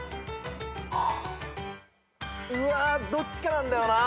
うわどっちかなんだよな。